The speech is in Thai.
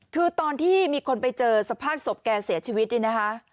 คือตอนที่มีคนไปเจอสภาพศพแกเสียชีวิตนี่นะคะ